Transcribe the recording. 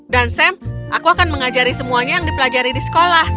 dan sam aku akan mengajari semuanya yang dipelajari di sekolah